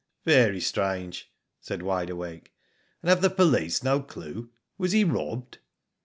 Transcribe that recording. Very strange," said Wide Awake ;" and have the police no clue? Was he robbed?"